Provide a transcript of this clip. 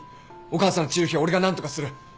お母さんの治療費は俺が何とかする。